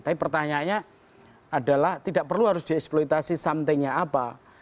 tapi pertanyaannya adalah tidak perlu harus di eksploitasi something nya apa